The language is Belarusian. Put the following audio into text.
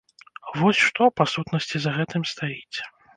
Вось што, па сутнасці, за гэтым стаіць.